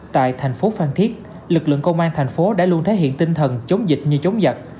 tại thành phố phan thiết lực lượng công an thành phố đã luôn thể hiện tinh thần chống dịch như chống giặc